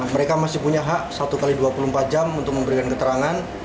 mereka masih punya hak satu x dua puluh empat jam untuk memberikan keterangan